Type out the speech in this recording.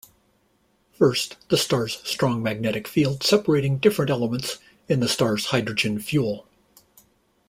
First, the star's strong magnetic field separating different elements in the star's hydrogen 'fuel'.